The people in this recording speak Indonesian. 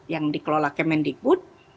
yang dikelola kementikbud